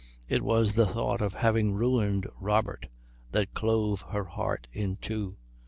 It was the thought of having ruined Robert that clove her heart in two.